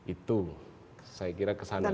itu saya kira kesana